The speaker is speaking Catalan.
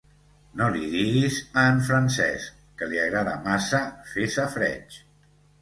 No li diguis a en Francesc, que li agrada massa fer safareig.